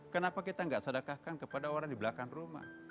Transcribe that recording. kenapa kita tidak sedekahkan kepada orang di belakang rumah